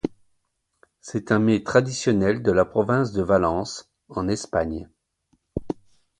C'est un mets traditionnel de la province de Valence, en Espagne.